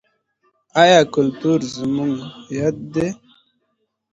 آیا کلتور زموږ هویت دی؟